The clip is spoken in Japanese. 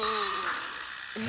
え？